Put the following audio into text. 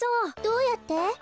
どうやって？